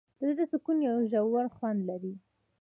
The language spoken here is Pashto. د زړه سکون یو ژور خوند لري.